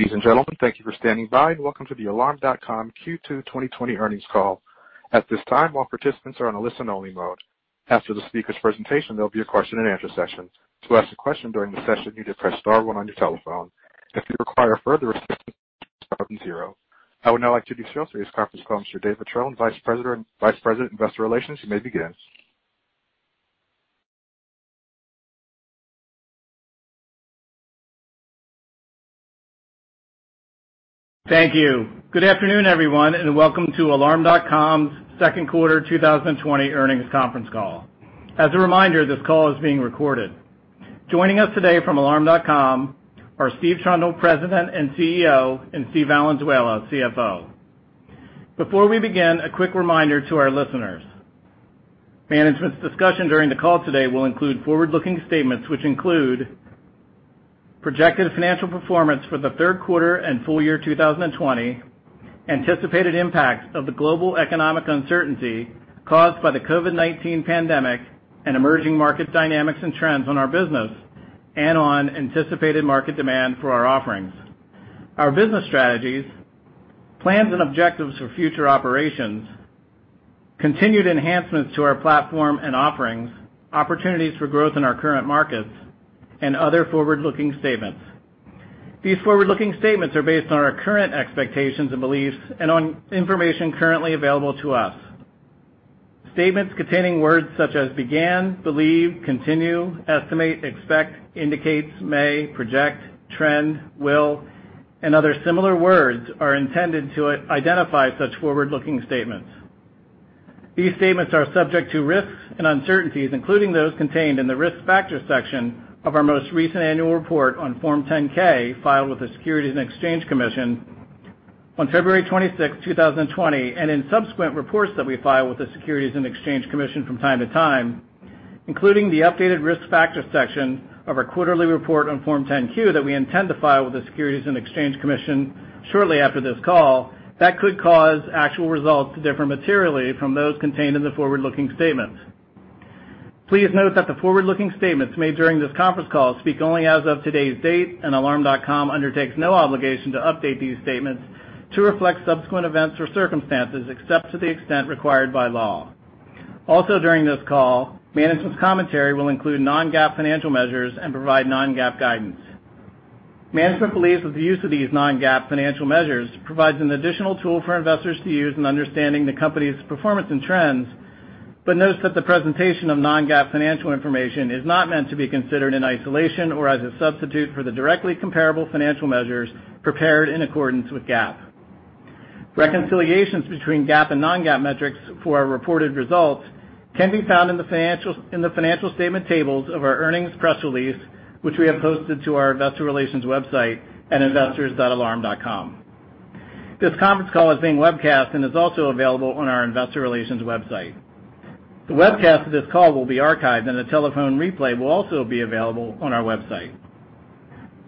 Ladies and gentlemen, thank you for standing by and welcome to the Alarm.com Q2 2020 earnings call. At this time, all participants are on a listen only mode. After the speaker's presentation, there'll be a question and answer session. To ask a question during the session, you just press star one on your telephone. If you require further assistance, press star then zero. I would now like to introduce today's conference call Mr. David Trone, Vice President, Investor Relations. You may begin. Thank you. Good afternoon, everyone, and welcome to Alarm.com's second quarter 2020 earnings conference call. As a reminder, this call is being recorded. Joining us today from Alarm.com are Steve Trundle, President and CEO, and Steve Valenzuela, CFO. Before we begin, a quick reminder to our listeners. Management's discussion during the call today will include forward-looking statements, which include projected financial performance for the third quarter and full year 2020, anticipated impacts of the global economic uncertainty caused by the COVID-19 pandemic, and emerging market dynamics and trends on our business, and on anticipated market demand for our offerings, our business strategies, plans and objectives for future operations, continued enhancements to our platform and offerings, opportunities for growth in our current markets and other forward-looking statements. These forward-looking statements are based on our current expectations and beliefs and on information currently available to us. Statements containing words such as "began," "believe," "continue," "estimate," "expect," "indicates," "may," "project," "trend," "will," and other similar words are intended to identify such forward-looking statements. These statements are subject to risks and uncertainties, including those contained in the Risk Factors section of our most recent annual report on Form 10-K, filed with the Securities and Exchange Commission on February 26, 2020, and in subsequent reports that we file with the Securities and Exchange Commission from time to time, including the updated Risk Factors section of our quarterly report on Form 10-Q that we intend to file with the Securities and Exchange Commission shortly after this call, that could cause actual results to differ materially from those contained in the forward-looking statements. Please note that the forward-looking statements made during this conference call speak only as of today's date, and Alarm.com undertakes no obligation to update these statements to reflect subsequent events or circumstances except to the extent required by law. Also during this call, management's commentary will include non-GAAP financial measures and provide non-GAAP guidance. Management believes that the use of these non-GAAP financial measures provides an additional tool for investors to use in understanding the company's performance and trends. Notes that the presentation of non-GAAP financial information is not meant to be considered in isolation or as a substitute for the directly comparable financial measures prepared in accordance with GAAP. Reconciliations between GAAP and non-GAAP metrics for our reported results can be found in the financial statement tables of our earnings press release, which we have posted to our investor relations website at investors.alarm.com. This conference call is being webcast and is also available on our investor relations website. The webcast of this call will be archived and a telephone replay will also be available on our website.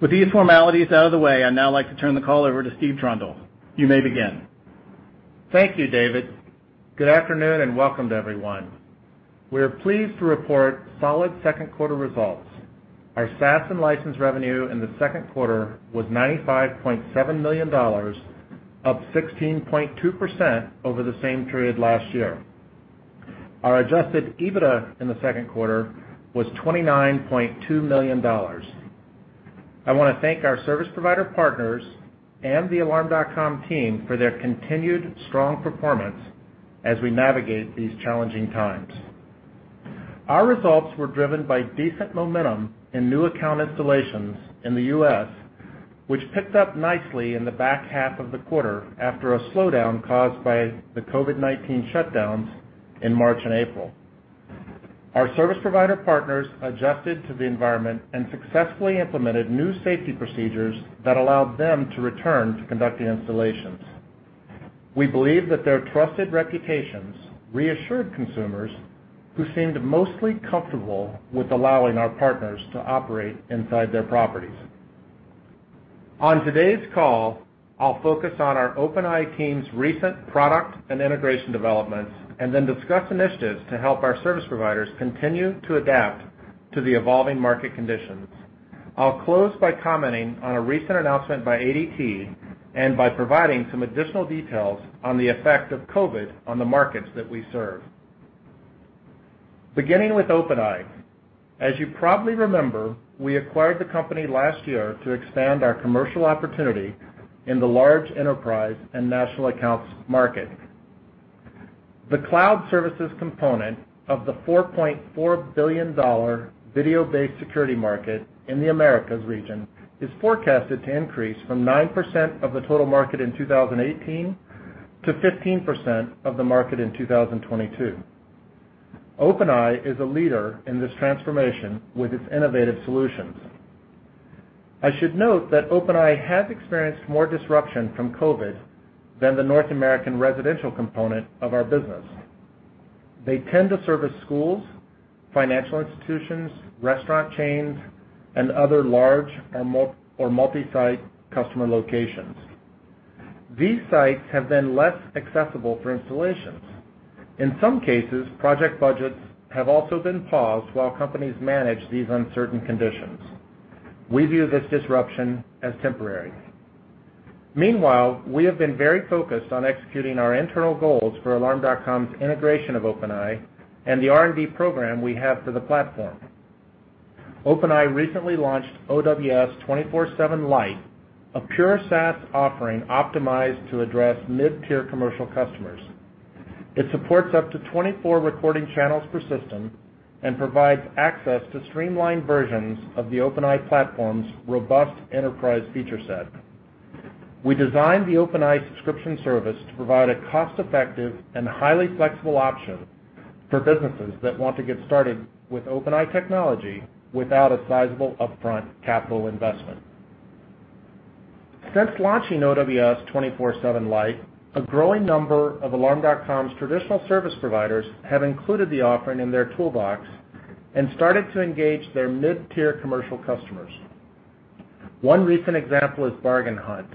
With these formalities out of the way, I'd now like to turn the call over to Steve Trundle. You may begin. Thank you, David. Good afternoon, welcome to everyone. We are pleased to report solid second quarter results. Our SaaS and license revenue in the second quarter was $95.7 million, up 16.2% over the same period last year. Our adjusted EBITDA in the second quarter was $29.2 million. I want to thank our service provider partners and the Alarm.com team for their continued strong performance as we navigate these challenging times. Our results were driven by decent momentum in new account installations in the U.S., which picked up nicely in the back half of the quarter after a slowdown caused by the COVID-19 shutdowns in March and April. Our service provider partners adjusted to the environment and successfully implemented new safety procedures that allowed them to return to conducting installations. We believe that their trusted reputations reassured consumers who seemed mostly comfortable with allowing our partners to operate inside their properties. On today's call, I'll focus on our OpenEye team's recent product and integration developments, and then discuss initiatives to help our service providers continue to adapt to the evolving market conditions. I'll close by commenting on a recent announcement by ADT and by providing some additional details on the effect of COVID on the markets that we serve. Beginning with OpenEye. As you probably remember, we acquired the company last year to expand our commercial opportunity in the large enterprise and national accounts market. The cloud services component of the $4.4 billion video-based security market in the Americas region is forecasted to increase from 9% of the total market in 2018 to 15% of the market in 2022. OpenEye is a leader in this transformation with its innovative solutions. I should note that OpenEye has experienced more disruption from COVID than the North American residential component of our business. They tend to service schools, financial institutions, restaurant chains, and other large or multi-site customer locations. These sites have been less accessible for installations. In some cases, project budgets have also been paused while companies manage these uncertain conditions. We view this disruption as temporary. Meanwhile, we have been very focused on executing our internal goals for Alarm.com's integration of OpenEye and the R&D program we have for the platform. OpenEye recently launched OWS 24/7 Lite, a pure SaaS offering optimized to address mid-tier commercial customers. It supports up to 24 recording channels per system and provides access to streamlined versions of the OpenEye platform's robust enterprise feature set. We designed the OpenEye subscription service to provide a cost-effective and highly flexible option for businesses that want to get started with OpenEye technology without a sizable upfront capital investment. Since launching OWS 24/7 Lite, a growing number of Alarm.com's traditional service providers have included the offering in their toolbox and started to engage their mid-tier commercial customers. One recent example is Bargain Hunt.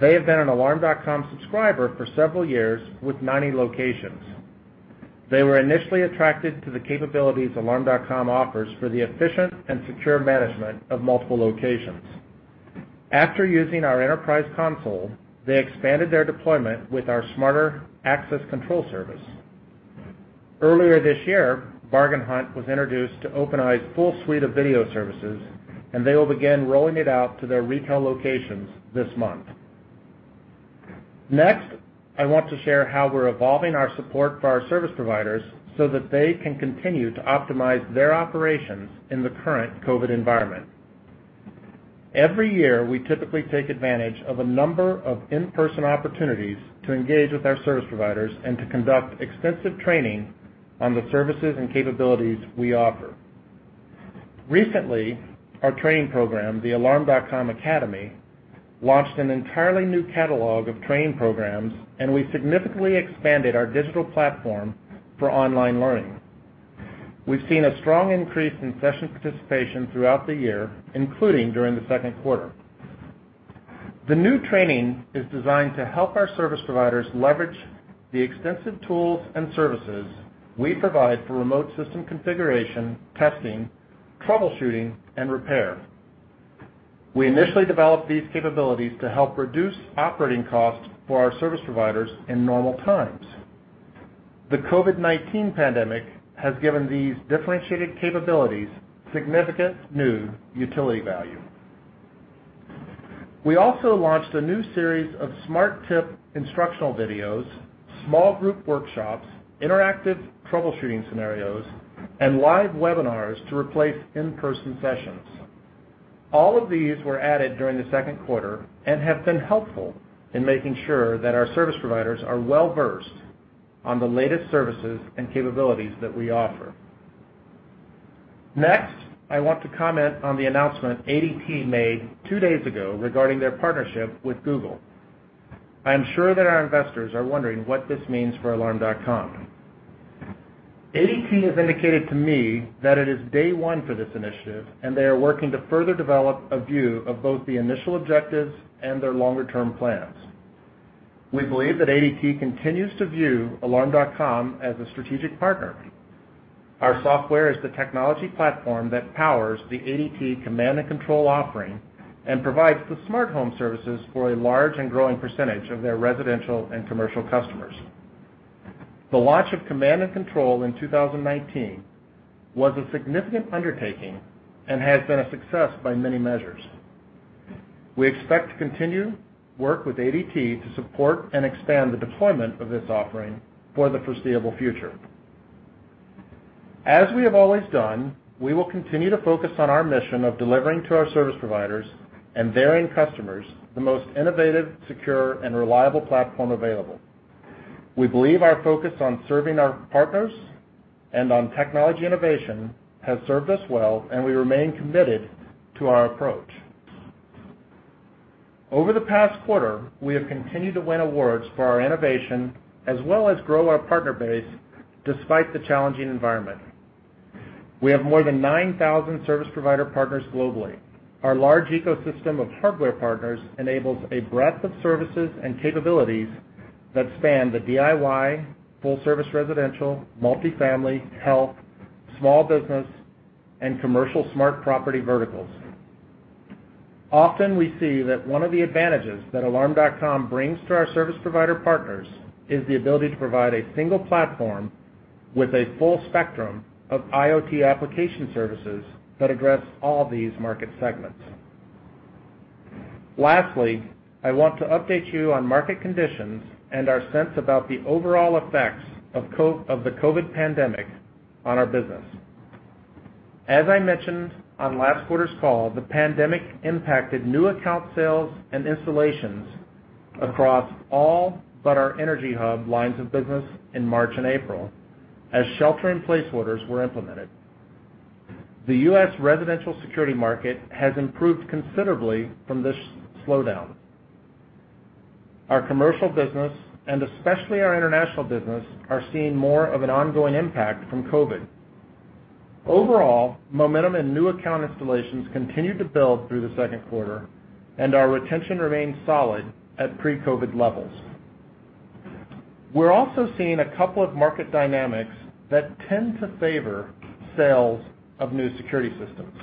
They have been an Alarm.com subscriber for several years with 90 locations. They were initially attracted to the capabilities Alarm.com offers for the efficient and secure management of multiple locations. After using our enterprise console, they expanded their deployment with our smarter access control service. Earlier this year, Bargain Hunt was introduced to OpenEye's full suite of video services, and they will begin rolling it out to their retail locations this month. I want to share how we're evolving our support for our service providers so that they can continue to optimize their operations in the current COVID-19 environment. Every year, we typically take advantage of a number of in-person opportunities to engage with our service providers and to conduct extensive training on the services and capabilities we offer. Recently, our training program, the Alarm.com Academy, launched an entirely new catalog of training programs, and we significantly expanded our digital platform for online learning. We've seen a strong increase in session participation throughout the year, including during the second quarter. The new training is designed to help our service providers leverage the extensive tools and services we provide for remote system configuration, testing, troubleshooting, and repair. We initially developed these capabilities to help reduce operating costs for our service providers in normal times. The COVID-19 pandemic has given these differentiated capabilities significant new utility value. We also launched a new series of smart tip instructional videos, small group workshops, interactive troubleshooting scenarios, and live webinars to replace in-person sessions. All of these were added during the second quarter and have been helpful in making sure that our service providers are well-versed on the latest services and capabilities that we offer. Next, I want to comment on the announcement ADT made two days ago regarding their partnership with Google. I am sure that our investors are wondering what this means for Alarm.com. ADT has indicated to me that it is day one for this initiative. They are working to further develop a view of both the initial objectives and their longer-term plans. We believe that ADT continues to view Alarm.com as a strategic partner. Our software is the technology platform that powers the ADT Command and Control offering and provides the smart home services for a large and growing percentage of their residential and commercial customers. The launch of ADT Command and Control in 2019 was a significant undertaking and has been a success by many measures. We expect to continue work with ADT to support and expand the deployment of this offering for the foreseeable future. As we have always done, we will continue to focus on our mission of delivering to our service providers and their end customers the most innovative, secure, and reliable platform available. We believe our focus on serving our partners and on technology innovation has served us well, and we remain committed to our approach. Over the past quarter, we have continued to win awards for our innovation as well as grow our partner base despite the challenging environment. We have more than 9,000 service provider partners globally. Our large ecosystem of hardware partners enables a breadth of services and capabilities that span the DIY, full service residential, multifamily, health, small business, and commercial smart property verticals. Often, we see that one of the advantages that Alarm.com brings to our service provider partners is the ability to provide a single platform with a full spectrum of IoT application services that address all these market segments. Lastly, I want to update you on market conditions and our sense about the overall effects of the COVID pandemic on our business. As I mentioned on last quarter's call, the pandemic impacted new account sales and installations across all but our EnergyHub lines of business in March and April, as shelter in place orders were implemented. The U.S. residential security market has improved considerably from this slowdown. Our commercial business, especially our international business, are seeing more of an ongoing impact from COVID. Overall, momentum in new account installations continued to build through the second quarter, and our retention remains solid at pre-COVID levels. We're also seeing a couple of market dynamics that tend to favor sales of new security systems.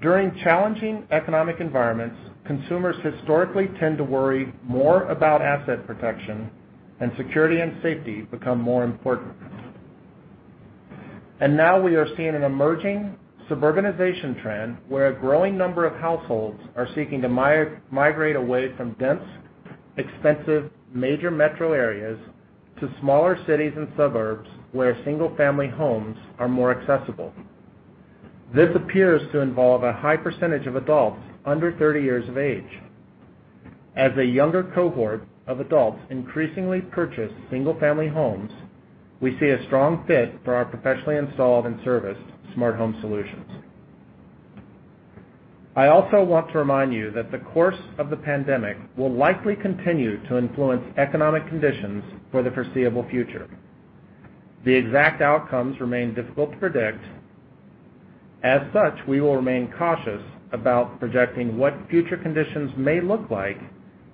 During challenging economic environments, consumers historically tend to worry more about asset protection, and security and safety become more important. Now we are seeing an emerging suburbanization trend where a growing number of households are seeking to migrate away from dense, expensive, major metro areas to smaller cities and suburbs where single-family homes are more accessible. This appears to involve a high % of adults under 30 years of age. As a younger cohort of adults increasingly purchase single-family homes, we see a strong fit for our professionally installed and serviced smart home solutions. I also want to remind you that the course of the pandemic will likely continue to influence economic conditions for the foreseeable future. The exact outcomes remain difficult to predict. As such, we will remain cautious about projecting what future conditions may look like,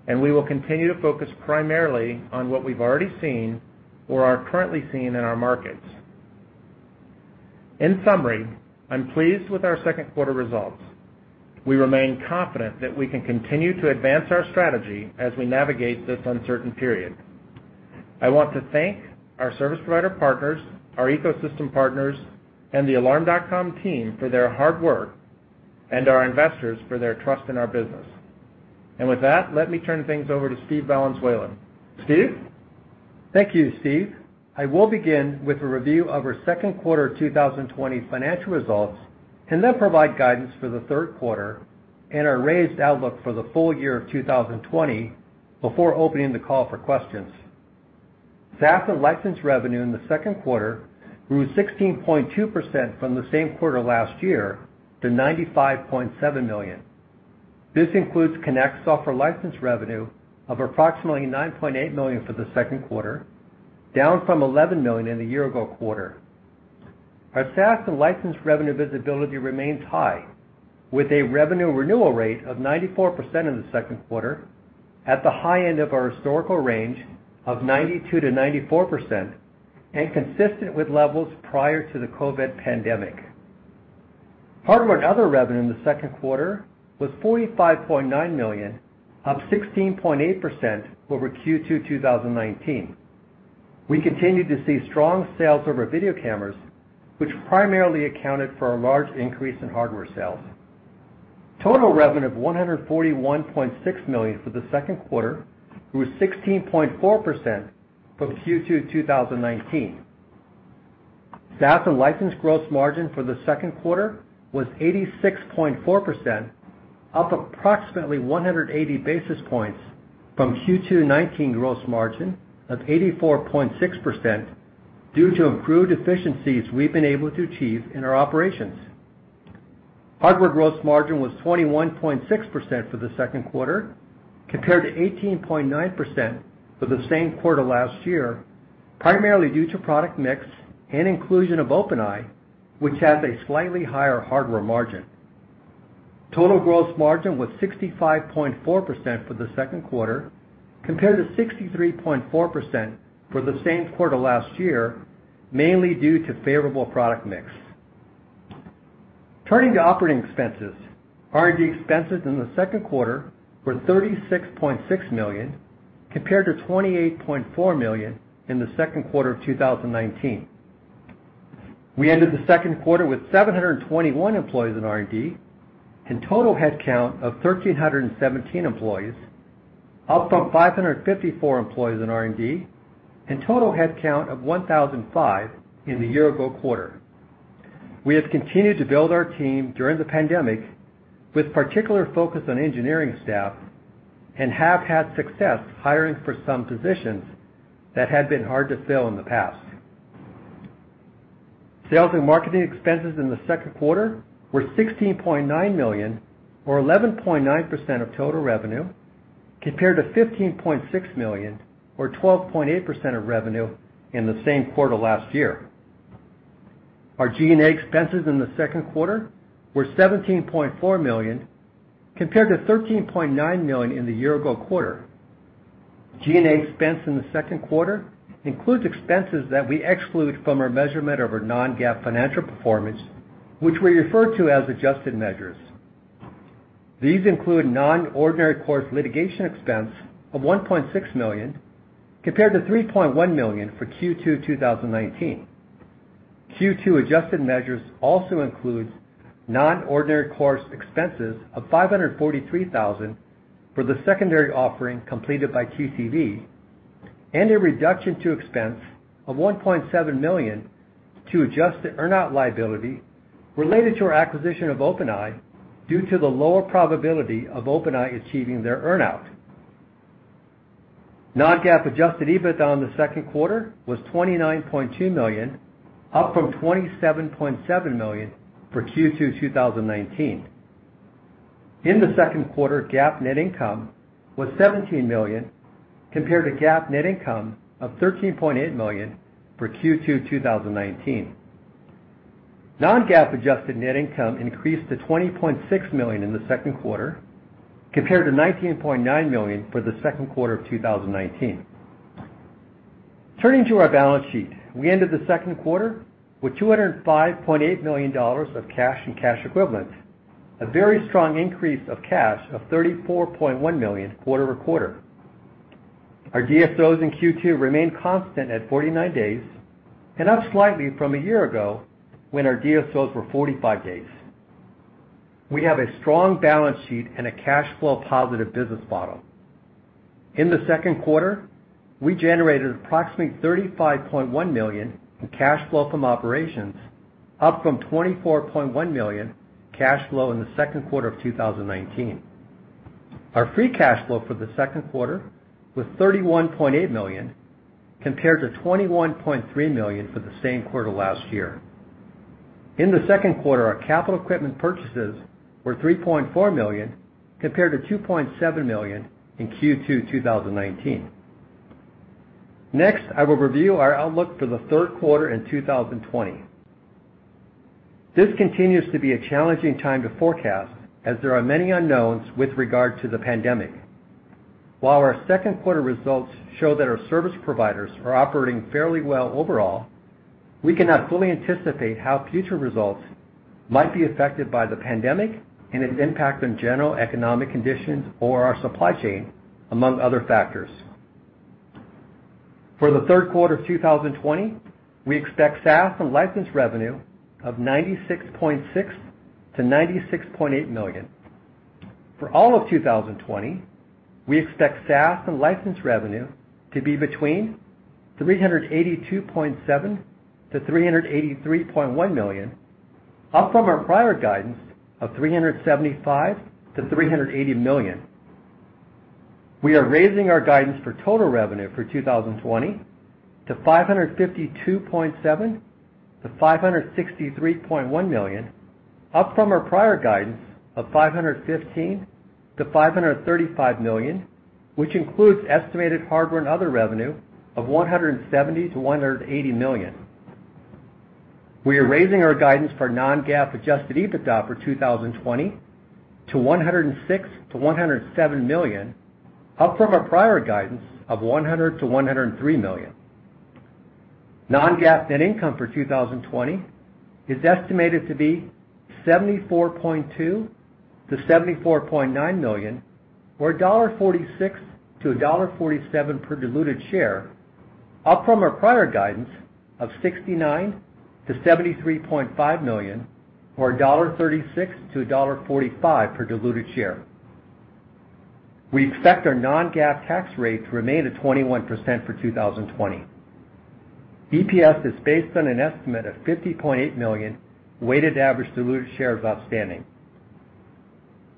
and we will continue to focus primarily on what we've already seen or are currently seeing in our markets. In summary, I'm pleased with our second quarter results. We remain confident that we can continue to advance our strategy as we navigate this uncertain period. I want to thank our service provider partners, our ecosystem partners, and the Alarm.com team for their hard work, and our investors for their trust in our business. With that, let me turn things over to Steve Valenzuela. Steve? Thank you, Steve. I will begin with a review of our second quarter 2020 financial results and then provide guidance for the third quarter and our raised outlook for the full year of 2020 before opening the call for questions. SaaS and license revenue in the second quarter grew 16.2% from the same quarter last year to $95.7 million. This includes Connect software license revenue of approximately $9.8 million for the second quarter, down from $11 million in the year-ago quarter. Our SaaS and license revenue visibility remains high, with a revenue renewal rate of 94% in the second quarter, at the high end of our historical range of 92%-94% and consistent with levels prior to the COVID-19 pandemic. Hardware and other revenue in the second quarter was $45.9 million, up 16.8% over Q2 2019. We continued to see strong sales of our video cameras, which primarily accounted for a large increase in hardware sales. Total revenue of $141.6 million for the second quarter grew 16.4% from Q2 2019. SaaS and license gross margin for the second quarter was 86.4%, up approximately 180 basis points from Q2 2019 gross margin of 84.6% due to improved efficiencies we've been able to achieve in our operations. Hardware gross margin was 21.6% for the second quarter, compared to 18.9% for the same quarter last year, primarily due to product mix and inclusion of OpenEye, which has a slightly higher hardware margin. Total gross margin was 65.4% for the second quarter, compared to 63.4% for the same quarter last year, mainly due to favorable product mix. Turning to operating expenses. R&D expenses in the second quarter were $36.6 million, compared to $28.4 million in the second quarter of 2019. We ended the second quarter with 721 employees in R&D and total headcount of 1,317 employees, up from 554 employees in R&D and total headcount of 1,005 in the year-ago quarter. We have continued to build our team during the pandemic, with particular focus on engineering staff, and have had success hiring for some positions that had been hard to fill in the past. Sales and marketing expenses in the second quarter were $16.9 million or 11.9% of total revenue, compared to $15.6 million or 12.8% of revenue in the same quarter last year. Our G&A expenses in the second quarter were $17.4 million, compared to $13.9 million in the year-ago quarter. G&A expense in the second quarter includes expenses that we exclude from our measurement of our non-GAAP financial performance, which we refer to as adjusted measures. These include non-ordinary course litigation expense of $1.6 million, compared to $3.1 million for Q2 2019. Q2 adjusted measures also includes non-ordinary course expenses of $543,000 for the secondary offering completed by TCV and a reduction to expense of $1.7 million to adjust the earnout liability related to our acquisition of OpenEye due to the lower probability of OpenEye achieving their earnout. Non-GAAP adjusted EBITDA in the second quarter was $29.2 million, up from $27.7 million for Q2 2019. In the second quarter, GAAP net income was $17 million, compared to GAAP net income of $13.8 million for Q2 2019. Non-GAAP adjusted net income increased to $20.6 million in the second quarter, compared to $19.9 million for the second quarter of 2019. Turning to our balance sheet, we ended the second quarter with $205.8 million of cash and cash equivalents, a very strong increase of cash of $34.1 million quarter-over-quarter. Our DSOs in Q2 remained constant at 49 days and up slightly from a year ago when our DSOs were 45 days. We have a strong balance sheet and a cash flow positive business model. In the second quarter, we generated approximately $35.1 million in cash flow from operations, up from $24.1 million cash flow in the second quarter of 2019. Our free cash flow for the second quarter was $31.8 million, compared to $21.3 million for the same quarter last year. In the second quarter, our capital equipment purchases were $3.4 million, compared to $2.7 million in Q2 2019. Next, I will review our outlook for the third quarter in 2020. This continues to be a challenging time to forecast, as there are many unknowns with regard to the pandemic. While our second quarter results show that our service providers are operating fairly well overall, we cannot fully anticipate how future results might be affected by the pandemic and its impact on general economic conditions or our supply chain, among other factors. For the third quarter of 2020, we expect SaaS and license revenue of $96.6 million-$96.8 million. For all of 2020, we expect SaaS and license revenue to be between $382.7 million-$383.1 million, up from our prior guidance of $375 million-$380 million. We are raising our guidance for total revenue for 2020 to $552.7 million-$563.1 million, up from our prior guidance of $515 million-$535 million, which includes estimated hardware and other revenue of $170 million-$180 million. We are raising our guidance for non-GAAP adjusted EBITDA for 2020 to $106 million-$107 million, up from our prior guidance of $100 million-$103 million. Non-GAAP net income for 2020 is estimated to be $74.2 million-$74.9 million, or $1.46 to $1.47 per diluted share, up from our prior guidance of $69 million-$73.5 million, or $1.36 to $1.45 per diluted share. We expect our non-GAAP tax rate to remain at 21% for 2020. EPS is based on an estimate of 50.8 million weighted average diluted shares outstanding.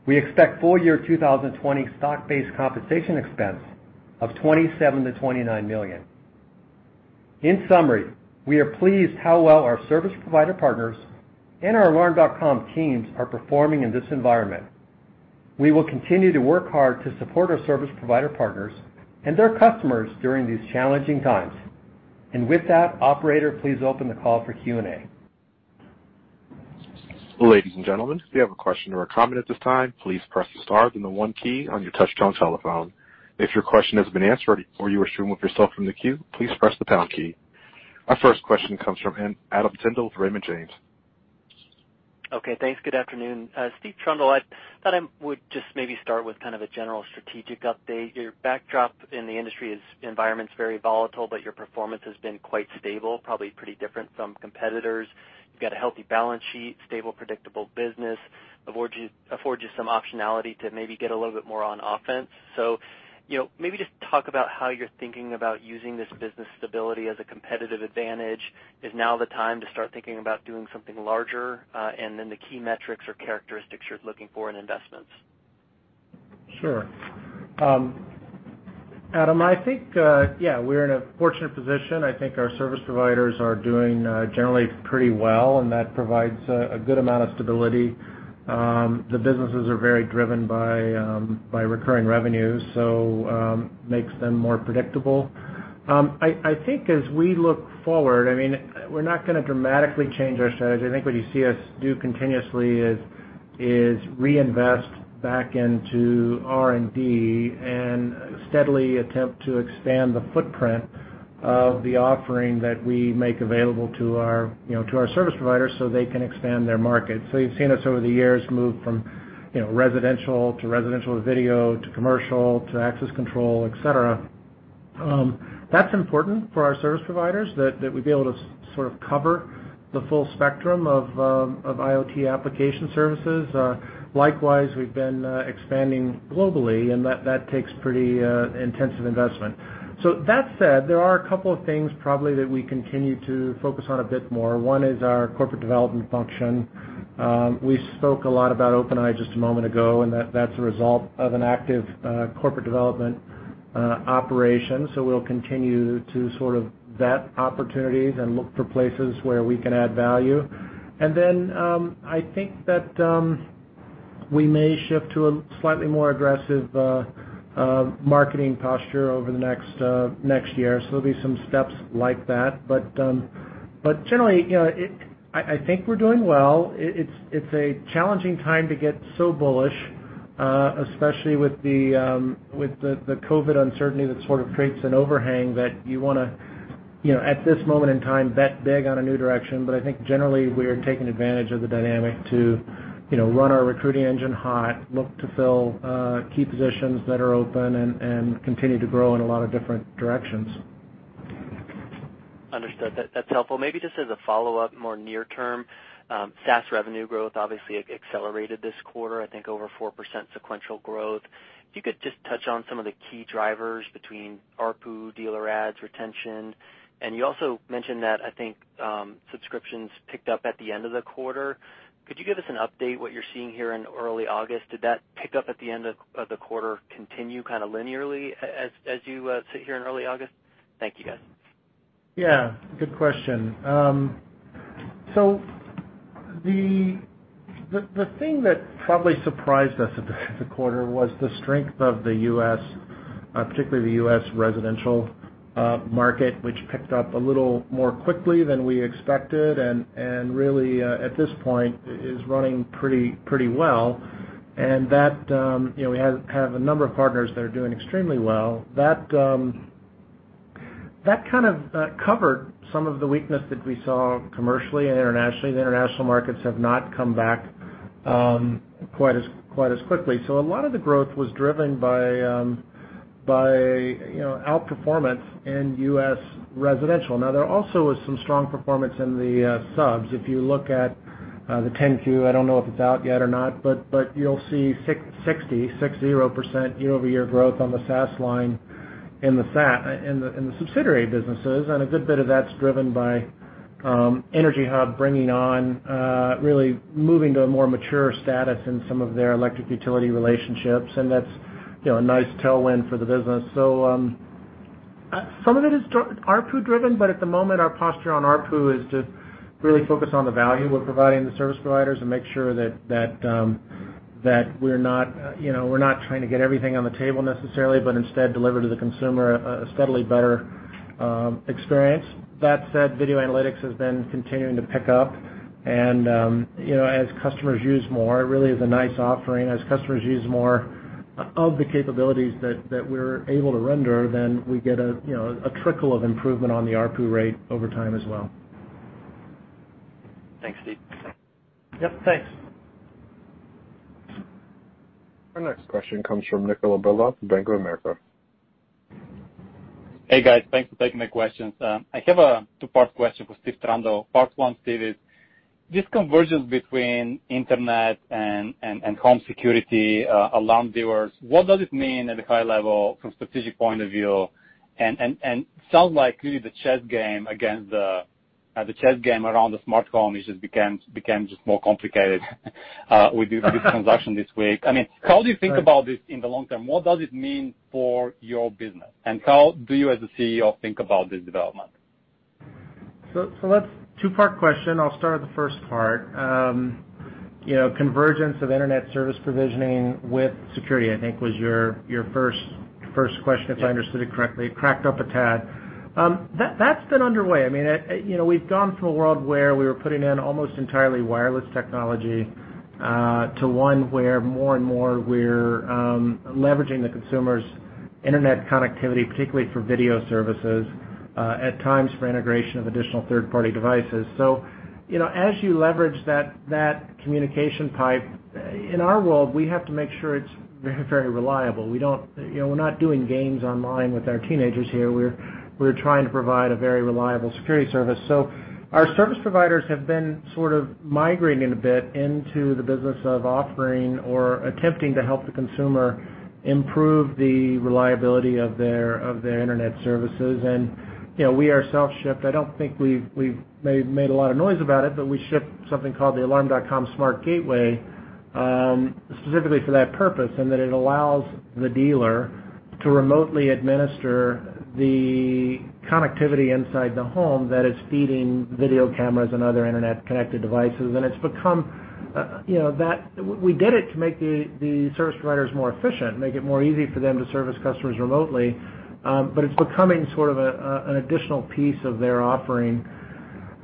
We expect full-year 2020 stock-based compensation expense of $27 million-$29 million. In summary, we are pleased how well our service provider partners and our Alarm.com teams are performing in this environment. We will continue to work hard to support our service provider partners and their customers during these challenging times. With that, operator, please open the call for Q&A. Ladies and gentlemen, if you have a question or a comment at this time, please press the star then the 1 key on your touch-tone telephone. If your question has been answered or you are removing yourself from the queue, please press the pound key. Our first question comes from Adam Tindle with Raymond James. Okay. Thanks. Good afternoon. Steve Trundle, I thought I would just maybe start with kind of a general strategic update. Your backdrop in the industry environment's very volatile, but your performance has been quite stable, probably pretty different from competitors. You've got a healthy balance sheet, stable, predictable business, affords you some optionality to maybe get a little bit more on offense. Maybe just talk about how you're thinking about using this business stability as a competitive advantage. Is now the time to start thinking about doing something larger? The key metrics or characteristics you're looking for in investments. Sure. Adam, I think we're in a fortunate position. I think our service providers are doing generally pretty well, and that provides a good amount of stability. The businesses are very driven by recurring revenues, makes them more predictable. I think as we look forward, we're not going to dramatically change our strategy. I think what you see us do continuously is reinvest back into R&D and steadily attempt to expand the footprint of the offering that we make available to our service providers so they can expand their market. You've seen us over the years move from residential to residential video to commercial to access control, et cetera. That's important for our service providers, that we be able to sort of cover the full spectrum of IoT application services. Likewise, we've been expanding globally, and that takes pretty intensive investment. That said, there are a couple of things probably that we continue to focus on a bit more. One is our corporate development function. We spoke a lot about OpenEye just a moment ago, and that's a result of an active corporate development operation. We'll continue to sort of vet opportunities and look for places where we can add value. Then, I think that we may shift to a slightly more aggressive marketing posture over the next year. There'll be some steps like that. Generally, I think we're doing well. It's a challenging time to get so bullish, especially with the COVID-19 uncertainty that sort of creates an overhang that you wanna, at this moment in time, bet big on a new direction. I think generally, we are taking advantage of the dynamic to run our recruiting engine hot, look to fill key positions that are open, and continue to grow in a lot of different directions. Understood. That's helpful. Maybe just as a follow-up, more near term, SaaS revenue growth obviously accelerated this quarter, I think over 4% sequential growth. If you could just touch on some of the key drivers between ARPU, dealer adds, retention. You also mentioned that, I think, subscriptions picked up at the end of the quarter. Could you give us an update what you're seeing here in early August? Did that pick up at the end of the quarter continue kind of linearly as you sit here in early August? Thank you, guys. Yeah. Good question. The thing that probably surprised us at the quarter was the strength of the U.S., particularly the U.S. residential market, which picked up a little more quickly than we expected, and really, at this point, is running pretty well. That we have a number of partners that are doing extremely well. That kind of covered some of the weakness that we saw commercially and internationally. The international markets have not come back quite as quickly. A lot of the growth was driven by outperformance in U.S. residential. Now, there also was some strong performance in the subs. If you look at the 10-Q, I don't know if it's out yet or not. You'll see 60% year-over-year growth on the SaaS line in the subsidiary businesses. A good bit of that's driven by EnergyHub bringing on, really moving to a more mature status in some of their electric utility relationships. That's a nice tailwind for the business. Some of it is ARPU driven. At the moment, our posture on ARPU is to really focus on the value we're providing the service providers and make sure that we're not trying to get everything on the table necessarily, instead deliver to the consumer a steadily better experience. That said, video analytics has been continuing to pick up. As customers use more, it really is a nice offering. As customers use more of the capabilities that we're able to render, then we get a trickle of improvement on the ARPU rate over time as well. Thanks, Steve. Yep, thanks. Our next question comes from Nikolai Berdyaev, Bank of America. Hey, guys. Thanks for taking my questions. I have a two-part question for Steve Trundle. Part one, Steve, is this convergence between internet and home security alarm dealers, what does it mean at the high level from strategic point of view? Sounds like really the chess game around the smart home became more complicated with this transaction this week. How do you think about this in the long term? What does it mean for your business, and how do you, as a CEO, think about this development? That's two-part question. I'll start with the first part. Convergence of internet service provisioning with security, I think, was your first question, if I understood it correctly. Cracked up a tad. That's been underway. We've gone from a world where we were putting in almost entirely wireless technology, to one where more and more, we're leveraging the consumer's internet connectivity, particularly for video services, at times for integration of additional third-party devices. As you leverage that communication pipe, in our world, we have to make sure it's very reliable. We're not doing games online with our teenagers here. We're trying to provide a very reliable security service. Our service providers have been sort of migrating a bit into the business of offering or attempting to help the consumer improve the reliability of their internet services. We ourselves ship, I don't think we've made a lot of noise about it, but we ship something called the Alarm.com Smart Gateway, specifically for that purpose, and that it allows the dealer to remotely administer the connectivity inside the home that is feeding video cameras and other internet-connected devices. We did it to make the service providers more efficient, make it more easy for them to service customers remotely. It's becoming sort of an additional piece of their offering.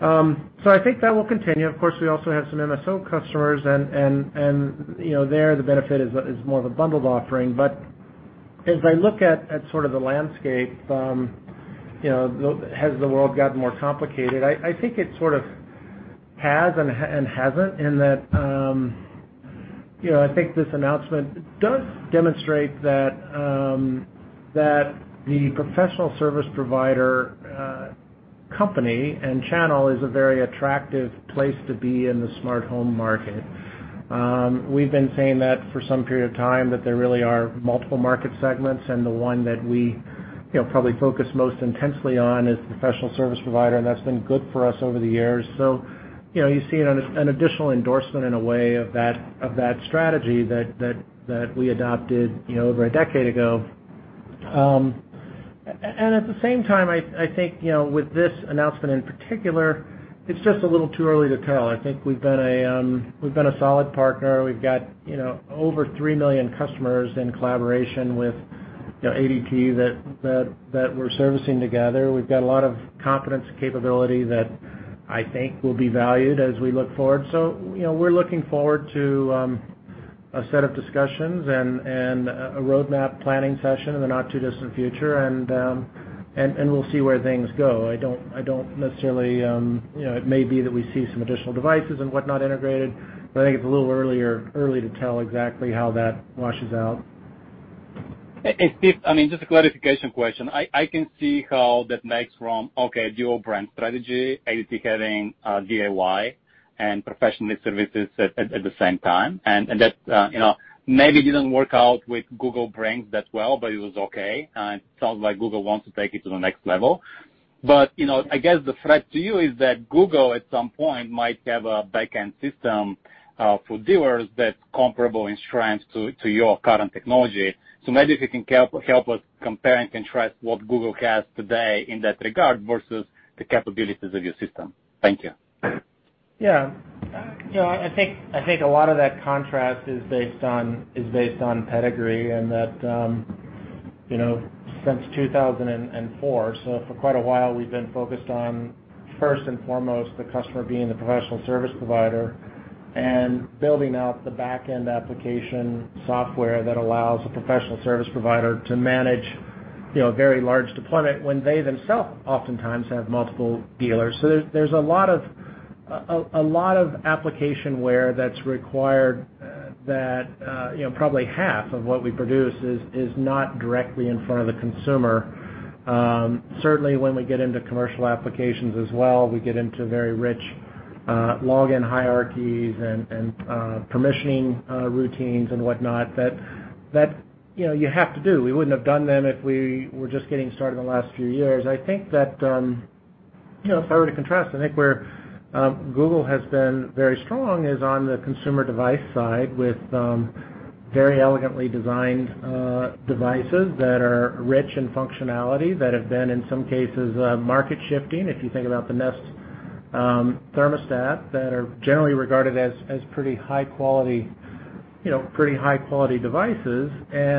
I think that will continue. Of course, we also have some MSO customers and there, the benefit is more of a bundled offering. As I look at sort of the landscape, has the world gotten more complicated? I think it sort of has and hasn't in that I think this announcement does demonstrate that the professional service provider company and channel is a very attractive place to be in the smart home market. We've been saying that for some period of time, that there really are multiple market segments, and the one that we probably focus most intensely on is the professional service provider, and that's been good for us over the years. You see an additional endorsement in a way of that strategy that we adopted over a decade ago. At the same time, I think, with this announcement in particular, it's just a little too early to tell. I think we've been a solid partner. We've got over three million customers in collaboration with ADT that we're servicing together. We've got a lot of competence capability that I think will be valued as we look forward. We're looking forward to a set of discussions and a roadmap planning session in the not-too-distant future. We'll see where things go. It may be that we see some additional devices and whatnot integrated, but I think it's a little early to tell exactly how that washes out. Hey, Steve, just a clarification question. I can see how that makes from, okay, dual brand strategy, ADT having DIY and professional services at the same time. That maybe didn't work out with Google brands that well, but it was okay. It sounds like Google wants to take it to the next level. I guess the threat to you is that Google, at some point, might have a back-end system for dealers that's comparable in strength to your current technology. Maybe if you can help us compare and contrast what Google has today in that regard versus the capabilities of your system. Thank you. I think a lot of that contrast is based on pedigree. Since 2004, for quite a while, we've been focused on, first and foremost, the customer being the professional service provider and building out the back-end application software that allows a professional service provider to manage a very large deployment when they themselves oftentimes have multiple dealers. There's a lot of application where that's required that probably half of what we produce is not directly in front of the consumer. Certainly, when we get into commercial applications as well, we get into very rich login hierarchies and permissioning routines and whatnot that you have to do. We wouldn't have done them if we were just getting started in the last few years. I think that if I were to contrast, I think where Google has been very strong is on the consumer device side with very elegantly designed devices that are rich in functionality that have been, in some cases, market shifting. If you think about the Nest Thermostat that are generally regarded as pretty high quality devices.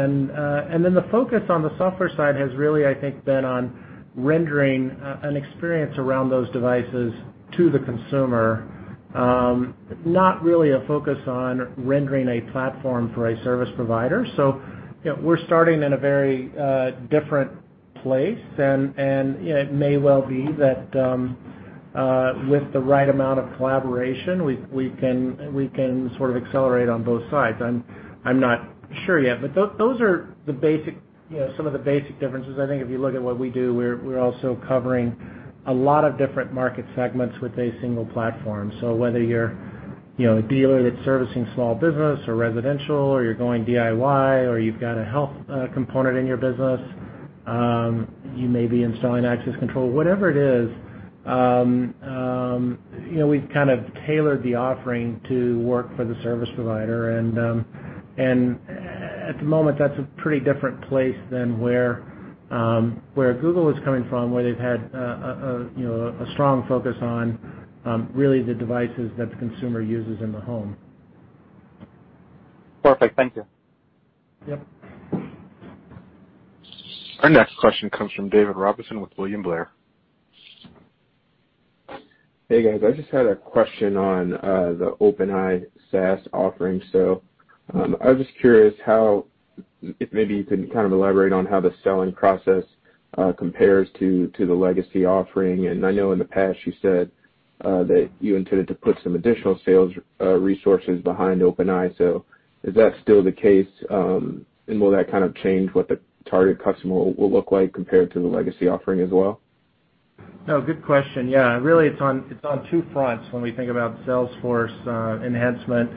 The focus on the software side has really, I think, been on rendering an experience around those devices to the consumer. Not really a focus on rendering a platform for a service provider. We're starting in a very different place and it may well be that with the right amount of collaboration, we can sort of accelerate on both sides. I'm not sure yet. Those are some of the basic differences. I think if you look at what we do, we're also covering a lot of different market segments with a single platform. Whether you're a dealer that's servicing small business or residential or you're going DIY or you've got a health component in your business, you may be installing access control, whatever it is, we've kind of tailored the offering to work for the service provider. At the moment, that's a pretty different place than where Google is coming from, where they've had a strong focus on really the devices that the consumer uses in the home. Perfect. Thank you. Yep. Our next question comes from David Robinson with William Blair. Hey, guys. I just had a question on the OpenEye SaaS offering. I was just curious how, if maybe you can kind of elaborate on how the selling process compares to the legacy offering. I know in the past you said that you intended to put some additional sales resources behind OpenEye, so is that still the case? Will that kind of change what the target customer will look like compared to the legacy offering as well? No, good question. Yeah, really it's on two fronts when we think about sales force enhancement.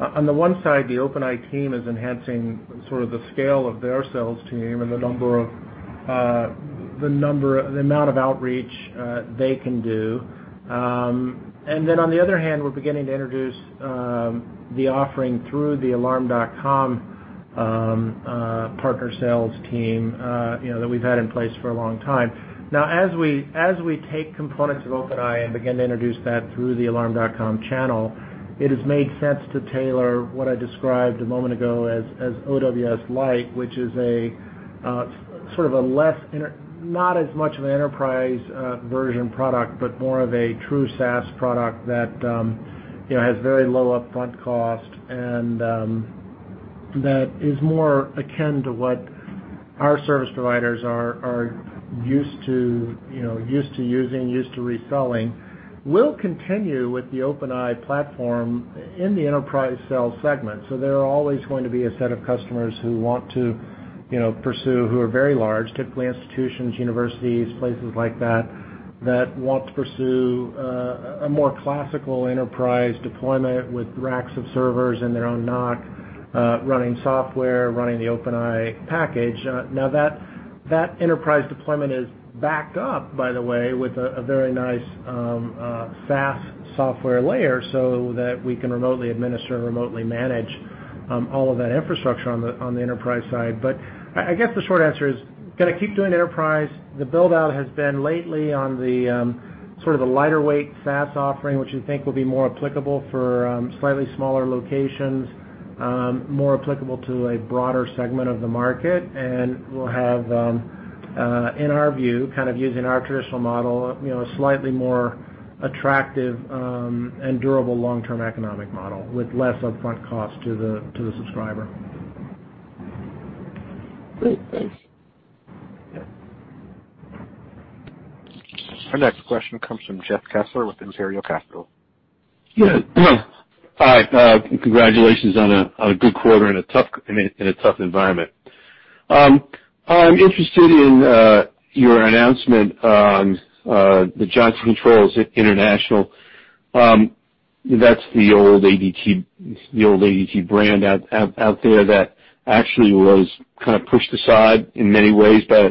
On the one side, the OpenEye team is enhancing sort of the scale of their sales team and the amount of outreach they can do. On the other hand, we're beginning to introduce the offering through the Alarm.com partner sales team that we've had in place for a long time. As we take components of OpenEye and begin to introduce that through the Alarm.com channel, it has made sense to tailor what I described a moment ago as OWS Lite, which is sort of a not as much of an enterprise version product, but more of a true SaaS product that has very low upfront cost and that is more akin to what our service providers are used to using, used to reselling. We'll continue with the OpenEye platform in the enterprise sales segment. There are always going to be a set of customers who want to pursue, who are very large, typically institutions, universities, places like that want to pursue a more classical enterprise deployment with racks of servers and their own NOC running software, running the OpenEye package. That enterprise deployment is backed up, by the way, with a very nice SaaS software layer so that we can remotely administer and remotely manage all of that infrastructure on the enterprise side. I guess the short answer is going to keep doing enterprise. The build-out has been lately on the lighter weight SaaS offering, which we think will be more applicable for slightly smaller locations, more applicable to a broader segment of the market, and we'll have, in our view, kind of using our traditional model, a slightly more attractive and durable long-term economic model with less upfront cost to the subscriber. Great. Thanks. Yeah. Our next question comes from Jeff Kessler with Imperial Capital. Yeah. Hi. Congratulations on a good quarter in a tough environment. I'm interested in your announcement on the Johnson Controls International. That's the old ADT brand out there that actually was kind of pushed aside in many ways by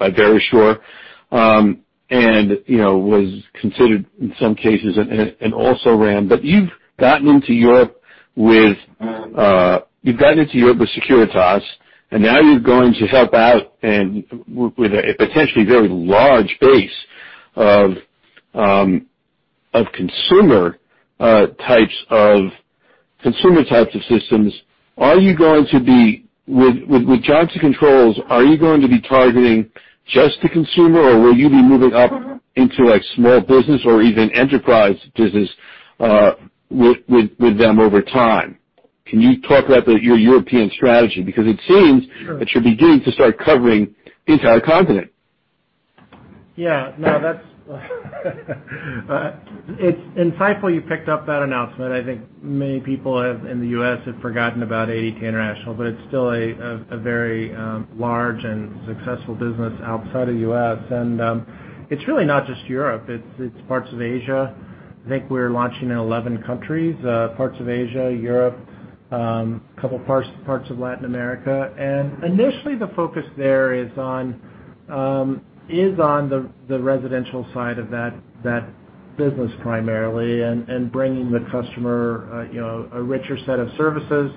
Verisure, and was considered, in some cases, an also-ran. You've gotten into Europe with Securitas, and now you're going to help out with a potentially very large base of consumer types of systems. With Johnson Controls, are you going to be targeting just the consumer, or will you be moving up into a small business or even enterprise business with them over time? Can you talk about your European strategy? It seems that you're beginning to start covering the entire continent. Yeah. It's insightful you picked up that announcement. I think many people in the U.S. have forgotten about ADT International, but it's still a very large and successful business outside the U.S. It's really not just Europe, it's parts of Asia. I think we're launching in 11 countries, parts of Asia, Europe, couple parts of Latin America. Initially, the focus there is on the residential side of that business, primarily, and bringing the customer a richer set of services,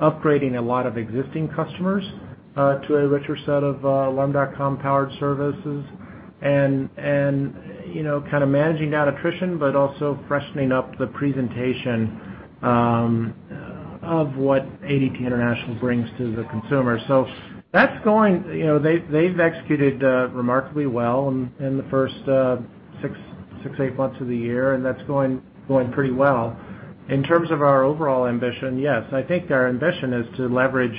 upgrading a lot of existing customers to a richer set of Alarm.com-powered services and kind of managing that attrition, but also freshening up the presentation of what ADT International brings to the consumer. They've executed remarkably well in the first six, eight months of the year, and that's going pretty well. In terms of our overall ambition, yes, I think our ambition is to leverage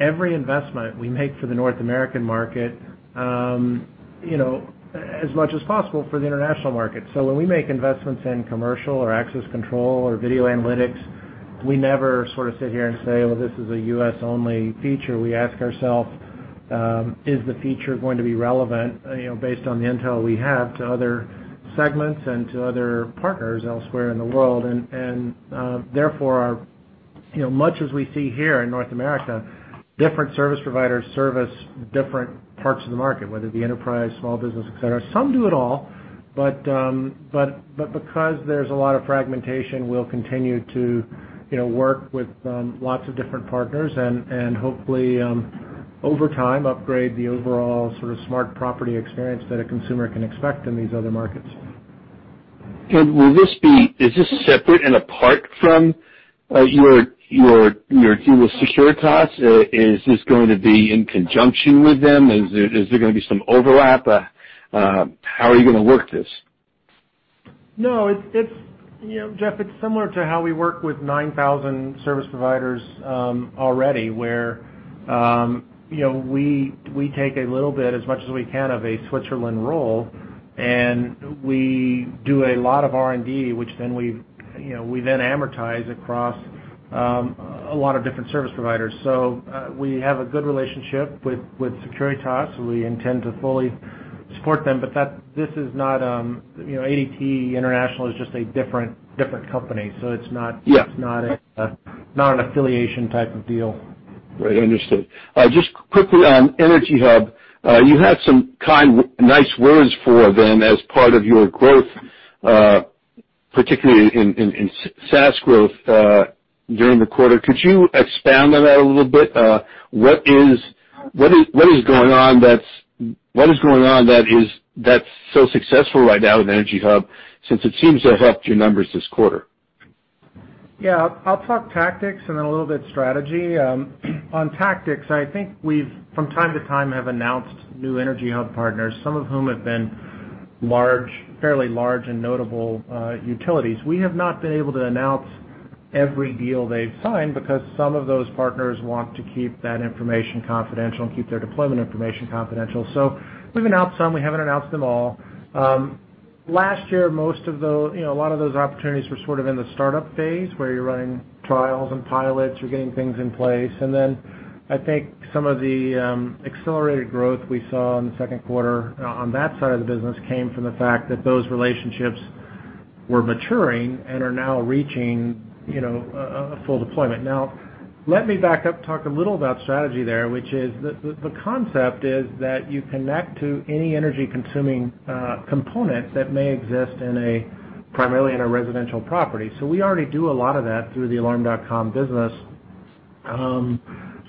every investment we make for the North American market as much as possible for the international market. When we make investments in commercial or access control or video analytics, we never sort of sit here and say, "Well, this is a US-only feature." We ask ourselves, "Is the feature going to be relevant based on the intel we have to other segments and to other partners elsewhere in the world?" Therefore, much as we see here in North America, different service providers service different parts of the market, whether it be enterprise, small business, et cetera. Some do it all, but because there's a lot of fragmentation, we'll continue to work with lots of different partners and hopefully, over time, upgrade the overall sort of smart property experience that a consumer can expect in these other markets. Is this separate and apart from your deal with Securitas? Is this going to be in conjunction with them? Is there going to be some overlap? How are you going to work this? No, Jeff, it's similar to how we work with 9,000 service providers already, where we take a little bit, as much as we can, of a Switzerland role, and we do a lot of R&D, which we then amortize across a lot of different service providers. We have a good relationship with Securitas. We intend to fully support them. ADT International is just a different company. Yeah not an affiliation type of deal. Right. Understood. Just quickly on EnergyHub, you had some nice words for them as part of your growth, particularly in SaaS growth during the quarter. Could you expand on that a little bit? What is going on that's so successful right now with EnergyHub, since it seems to have helped your numbers this quarter? I'll talk tactics and then a little bit strategy. On tactics, I think we've, from time to time, have announced new EnergyHub partners, some of whom have been fairly large and notable utilities. We have not been able to announce every deal they've signed because some of those partners want to keep that information confidential and keep their deployment information confidential. We've announced some. We haven't announced them all. Last year, a lot of those opportunities were sort of in the startup phase, where you're running trials and pilots. You're getting things in place. I think some of the accelerated growth we saw in the second quarter on that side of the business came from the fact that those relationships were maturing and are now reaching a full deployment. Let me back up, talk a little about strategy there, which is the concept is that you connect to any energy consuming component that may exist primarily in a residential property. We already do a lot of that through the Alarm.com business.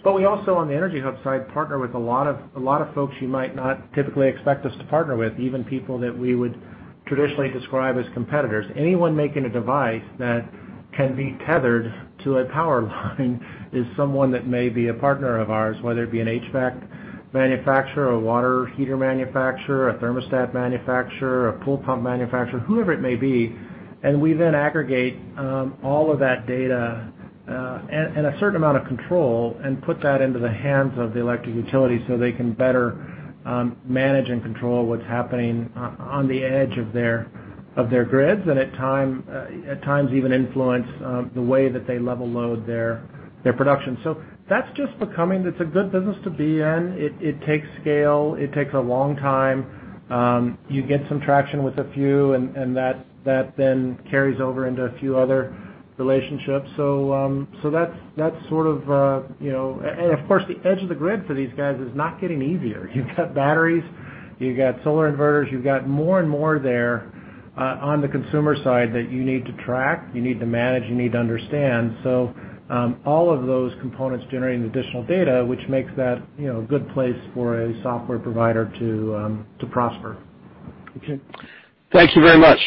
We also, on the EnergyHub side, partner with a lot of folks you might not typically expect us to partner with, even people that we would traditionally describe as competitors. Anyone making a device that can be tethered to a power line is someone that may be a partner of ours, whether it be an HVAC manufacturer, a water heater manufacturer, a thermostat manufacturer, a pool pump manufacturer, whoever it may be. We then aggregate all of that data and a certain amount of control and put that into the hands of the electric utility so they can better manage and control what's happening on the edge of their grids and at times even influence the way that they level load their production. That's just becoming. It's a good business to be in. It takes scale, it takes a long time. You get some traction with a few, and that then carries over into a few other relationships. Of course, the edge of the grid for these guys is not getting easier. You've got batteries, you've got solar inverters, you've got more and more there on the consumer side that you need to track, you need to manage, you need to understand. All of those components generating additional data, which makes that a good place for a software provider to prosper. Okay. Thank you very much.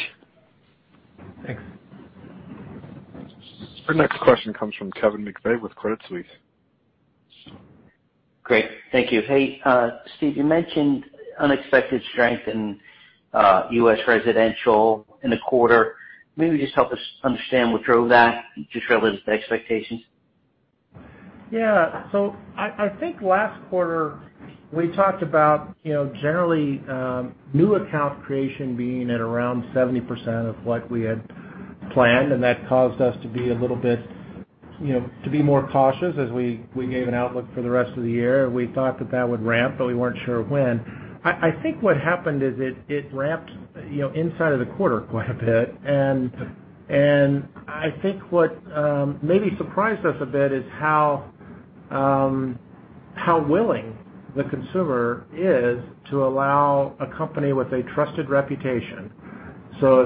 Thanks. Our next question comes from Kevin McVeigh with Credit Suisse. Great. Thank you. Hey, Steve, you mentioned unexpected strength in U.S. residential in the quarter. Maybe just help us understand what drove that to trail those expectations. Yeah. I think last quarter we talked about generally, new account creation being at around 70% of what we had planned. That caused us to be more cautious as we gave an outlook for the rest of the year. We thought that would ramp, but we weren't sure when. I think what happened is it ramped inside of the quarter quite a bit. I think what maybe surprised us a bit is how willing the consumer is to allow a company with a trusted reputation. If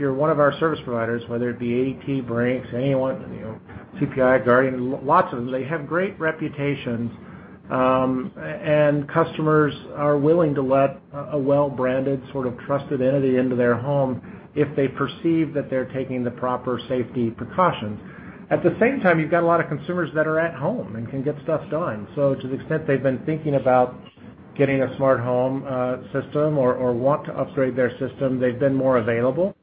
you're one of our service providers, whether it be ADT, Brinks, anyone, CPI, Guardian, lots of them, they have great reputations. Customers are willing to let a well-branded, sort of trusted entity into their home if they perceive that they're taking the proper safety precautions. At the same time, you've got a lot of consumers that are at home and can get stuff done. To the extent they've been thinking about getting a smart home system or want to upgrade their system, they've been more available.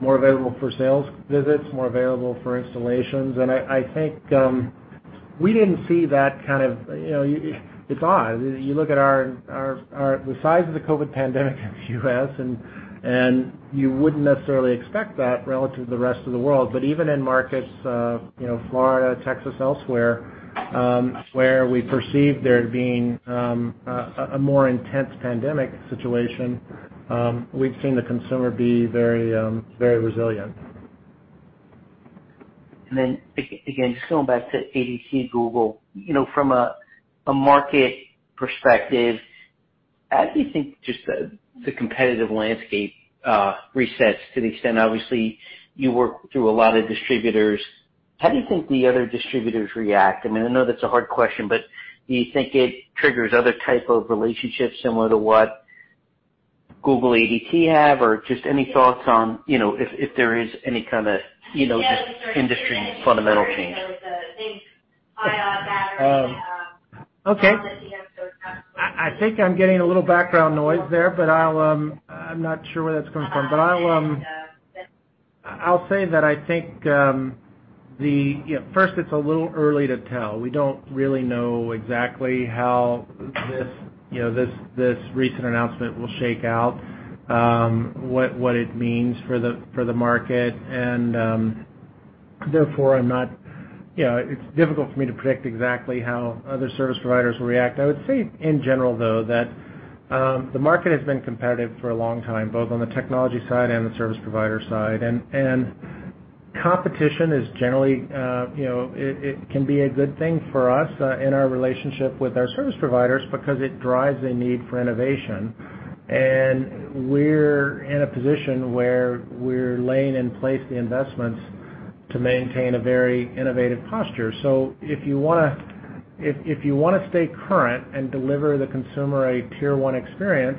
More available for sales visits, more available for installations. I think we didn't see that. It's odd. You look at the size of the COVID-19 pandemic in the U.S., and you wouldn't necessarily expect that relative to the rest of the world. Even in markets, Florida, Texas, elsewhere, where we perceive there being a more intense pandemic situation, we've seen the consumer be very resilient. Then again, just going back to ADT and Google, from a market perspective, how do you think just the competitive landscape resets to the extent, obviously you work through a lot of distributors, how do you think the other distributors react? I know that's a hard question, but do you think it triggers other type of relationships similar to what Google ADT have? Just any thoughts on if there is any kind of just industry fundamental change? Okay. I think I'm getting a little background noise there, but I'm not sure where that's coming from. I'll say that I think, first, it's a little early to tell. We don't really know exactly how this recent announcement will shake out, what it means for the market, and therefore, it's difficult for me to predict exactly how other service providers will react. I would say in general, though, that the market has been competitive for a long time, both on the technology side and the service provider side. Competition, it can be a good thing for us in our relationship with our service providers because it drives a need for innovation. We're in a position where we're laying in place the investments to maintain a very innovative posture. If you want to stay current and deliver the consumer a tier 1 experience,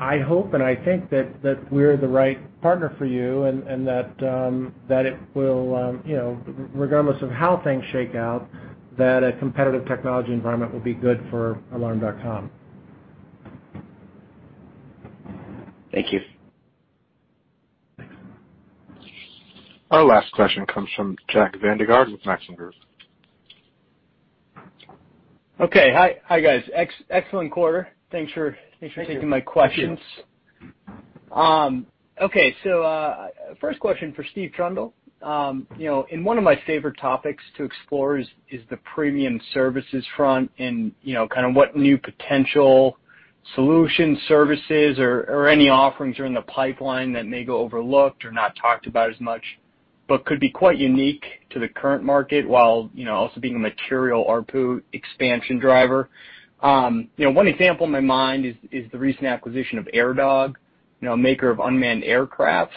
I hope and I think that we're the right partner for you and that regardless of how things shake out, that a competitive technology environment will be good for Alarm.com. Thank you. Thanks. Our last question comes from Jack Vander Aarde with Maxim Group. Okay. Hi, guys. Excellent quarter. Thanks for taking my questions. Thank you. Okay. First question for Steve Trundle. One of my favorite topics to explore is the premium services front and kind of what new potential solution services or any offerings are in the pipeline that may go overlooked or not talked about as much. But could be quite unique to the current market while also being a material ARPU expansion driver. One example in my mind is the recent acquisition of AirDog, a maker of unmanned aircrafts.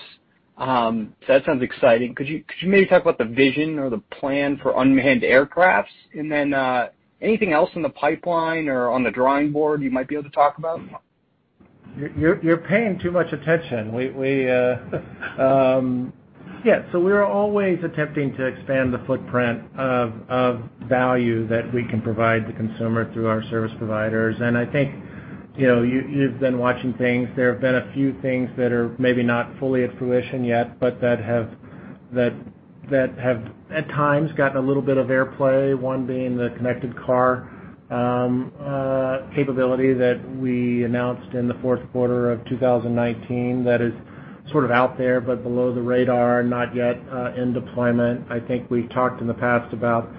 That sounds exciting. Could you maybe talk about the vision or the plan for unmanned aircrafts? Anything else in the pipeline or on the drawing board you might be able to talk about? You're paying too much attention. Yeah, we're always attempting to expand the footprint of value that we can provide the consumer through our service providers. I think, you've been watching things. There have been a few things that are maybe not fully at fruition yet, but that have at times gotten a little bit of airplay. One being the connected car capability that we announced in the fourth quarter of 2019 that is sort of out there, but below the radar, not yet in deployment. I think we've talked in the past about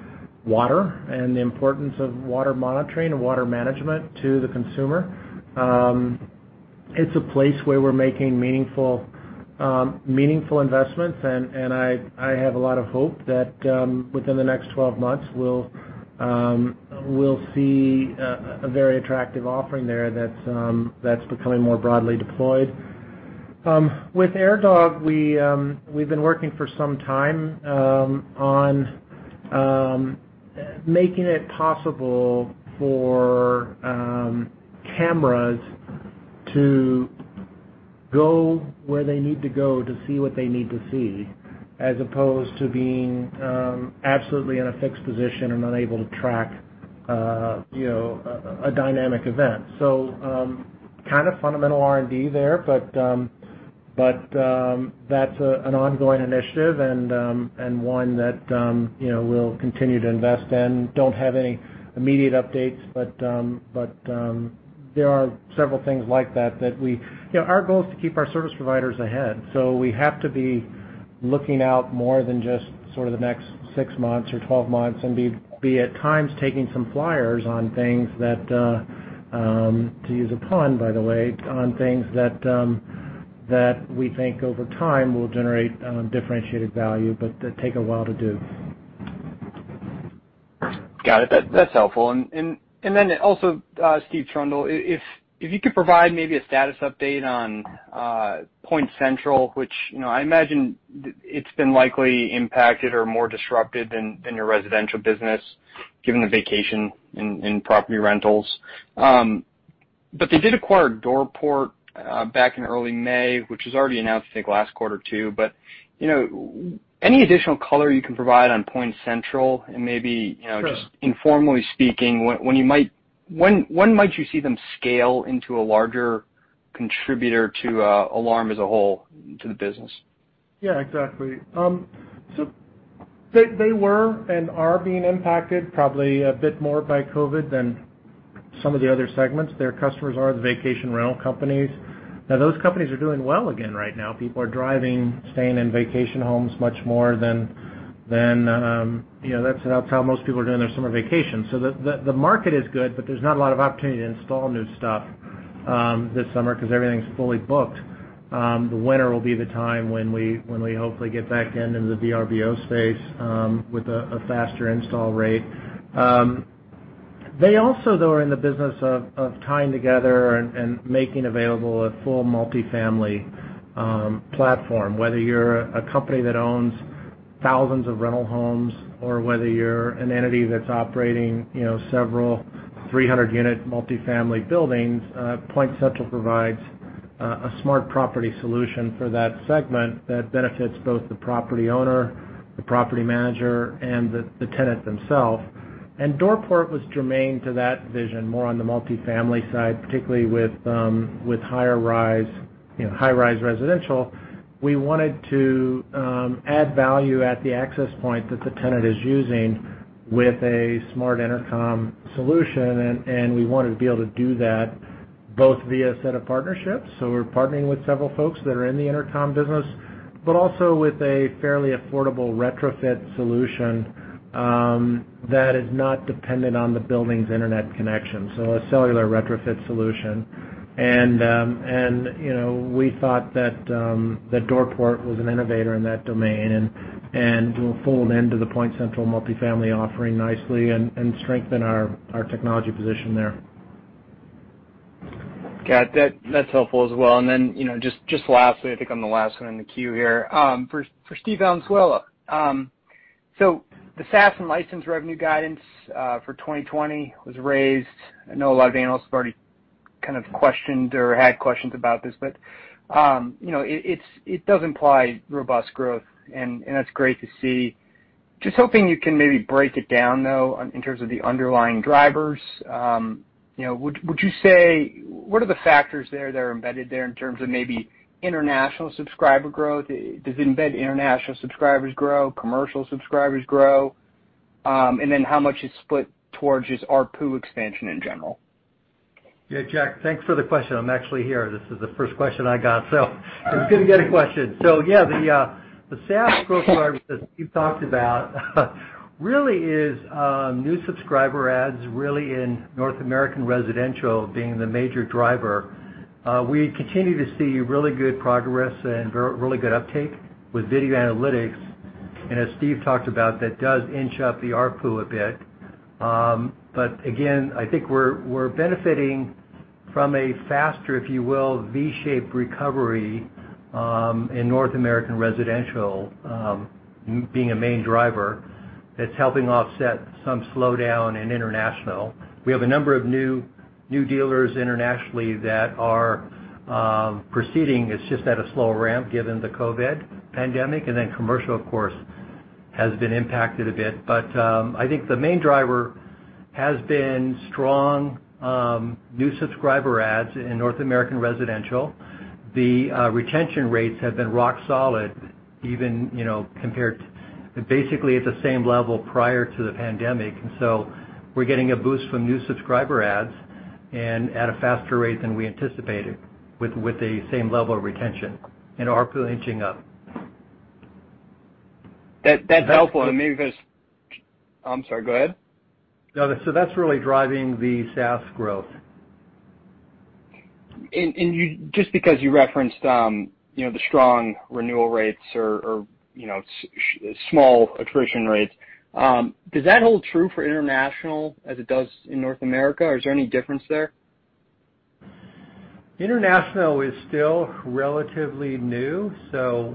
water and the importance of water monitoring and water management to the consumer. It's a place where we're making meaningful investments, and I have a lot of hope that within the next 12 months, we'll see a very attractive offering there that's becoming more broadly deployed. With AirDog, we've been working for some time on making it possible for cameras to go where they need to go to see what they need to see, as opposed to being absolutely in a fixed position and unable to track a dynamic event. Fundamental R&D there, but that's an ongoing initiative and one that we'll continue to invest in. Don't have any immediate updates, but there are several things like that. Our goal is to keep our service providers ahead, so we have to be looking out more than just sort of the next six months or 12 months, and be at times taking some flyers, to use a pun by the way, on things that we think over time will generate differentiated value, but that take a while to do. Got it. That's helpful. Also, Steve Trundle, if you could provide maybe a status update on PointCentral, which, I imagine it's been likely impacted or more disrupted than your residential business, given the vacation in property rentals. They did acquire Doorport back in early May, which was already announced, I think, last quarter too. Any additional color you can provide on PointCentral and maybe. Sure just informally speaking, when might you see them scale into a larger contributor to Alarm as a whole to the business? Yeah, exactly. They were and are being impacted probably a bit more by COVID than some of the other segments. Their customers are the vacation rental companies. Those companies are doing well again right now. People are driving, staying in vacation homes. That's how most people are doing their summer vacations. The market is good, but there's not a lot of opportunity to install new stuff this summer because everything's fully booked. The winter will be the time when we hopefully get back into the Vrbo space with a faster install rate. They also, though, are in the business of tying together and making available a full multifamily platform. Whether you're a company that owns thousands of rental homes, or whether you're an entity that's operating several 300-unit multifamily buildings, PointCentral provides a smart property solution for that segment that benefits both the property owner, the property manager, and the tenant themself. Doorport was germane to that vision, more on the multifamily side, particularly with high-rise residential. We wanted to add value at the access point that the tenant is using with a smart intercom solution, and we wanted to be able to do that both via a set of partnerships. We're partnering with several folks that are in the intercom business, but also with a fairly affordable retrofit solution that is not dependent on the building's internet connection, so a cellular retrofit solution. We thought that Doorport was an innovator in that domain and will fold into the PointCentral multifamily offering nicely and strengthen our technology position there. Got it. That's helpful as well. Then, just lastly, I think I'm the last one in the queue here. For Steve Valenzuela. The SaaS and license revenue guidance for 2020 was raised. I know a lot of analysts have already kind of questioned or had questions about this, but it does imply robust growth, and that's great to see. Just hoping you can maybe break it down, though, in terms of the underlying drivers. What are the factors there that are embedded there in terms of maybe international subscriber growth? Does it embed international subscribers grow, commercial subscribers grow? Then how much is split towards just ARPU expansion in general? Yeah, Jack, thanks for the question. I'm actually here. This is the first question I got. I was going to get a question. Yeah, the SaaS growth driver that Steve talked about really is new subscriber adds, really in North American residential being the major driver. We continue to see really good progress and really good uptake with video analytics As Steve talked about, that does inch up the ARPU a bit. Again, I think we're benefiting from a faster, if you will, V-shaped recovery in North American residential, being a main driver that's helping offset some slowdown in international. We have a number of new dealers internationally that are proceeding. It's just at a slower ramp given the COVID pandemic. Commercial, of course, has been impacted a bit. I think the main driver has been strong new subscriber adds in North American residential. The retention rates have been rock solid, basically at the same level prior to the pandemic. So we're getting a boost from new subscriber adds and at a faster rate than we anticipated with the same level of retention and ARPU inching up. That's helpful. I'm sorry, go ahead. No. That's really driving the SaaS growth. Just because you referenced the strong renewal rates or small attrition rates, does that hold true for international as it does in North America, or is there any difference there? International is still relatively new,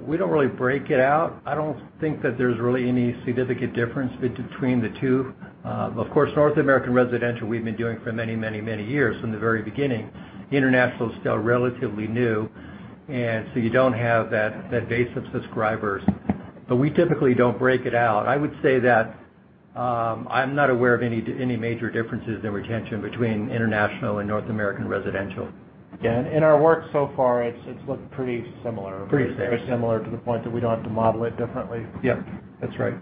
we don't really break it out. I don't think that there's really any significant difference between the two. Of course, North American residential, we've been doing for many years from the very beginning. International is still relatively new, you don't have that base of subscribers. We typically don't break it out. I would say that I'm not aware of any major differences in retention between international and North American residential. Yeah, in our work so far, it's looked pretty similar. Pretty similar. Very similar to the point that we don't have to model it differently. Yeah. That's right.